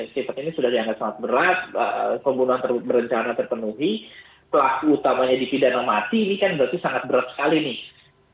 sifat ini sudah dianggap sangat berat pembunuhan berencana terpenuhi pelaku utamanya dipidana mati ini kan berarti sangat berat sekali nih